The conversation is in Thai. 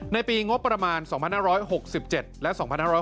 ในปีงบประมาณ๒๕๖๗และ๒๕๖๐